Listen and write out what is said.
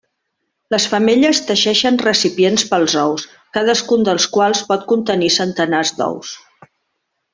Les femelles teixeixen recipients pels ous, cadascun dels quals pot contenir centenars d'ous.